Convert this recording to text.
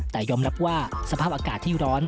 แต่ยอมรับว่าสภาพอากาศที่ร้อน